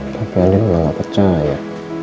tapi andi memang gak percaya